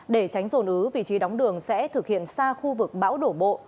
để tránh rồn ứ vị trí đóng đường sẽ thực hiện xa khu vực bão đổ bộ